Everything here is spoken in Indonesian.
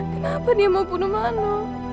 kenapa dia mau bunuh malu